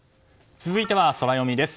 続いてはソラよみです。